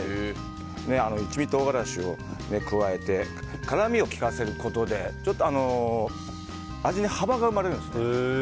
一味唐辛子を加えて辛みを利かせることで味に幅が生まれるんですよ。